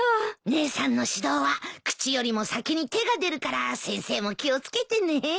姉さんの指導は口よりも先に手が出るから先生も気を付けてね。